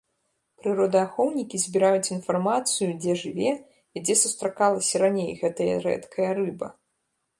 Прыродаахоўнікі збіраюць інфармацыю, дзе жыве і дзе сустракалася раней гэтая рэдкая рыба.